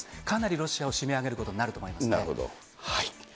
かなりロシアを締め上げることになると思いますね。